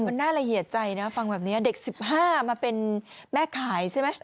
มันน่าละเอียดใจนะฟังแบบนี้เด็ก๑๕มาเป็นแม่ขายใช่ไหม